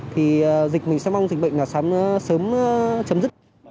thì dịch mình sẽ mong dịch bệnh là sớm chấm dứt